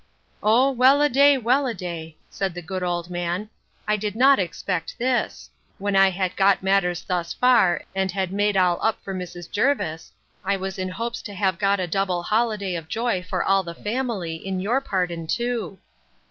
—O well a day, well a day! said the good old man, I did not expect this!—When I had got matters thus far, and had made all up for Mrs. Jervis, I was in hopes to have got a double holiday of joy for all the family, in your pardon too.